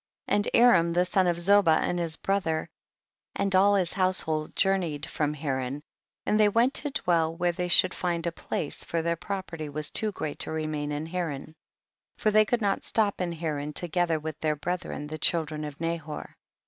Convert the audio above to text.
37. And Aram the son of Zoba and his brother and all his house hold journeyed from Haran, and they went to dwell where they should find a place, for their property was too great to remain in Haran ; for they could not slop in Haran to gether with their brethren the child ren of Nahor.